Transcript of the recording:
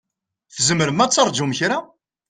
Tzemrem ad terǧum kra?